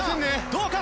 どうか？